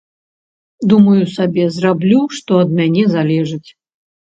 Думаю сабе, зраблю, што ад мяне залежыць.